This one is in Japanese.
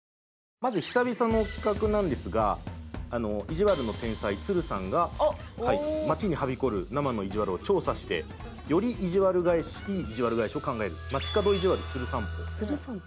まず久々の企画なんですがいじわるの天才つるさんが街にはびこる生のいじわるを調査してよりいじわる返しいいいじわる返しを考える。